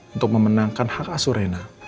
untuk memenangkan hak asuh rena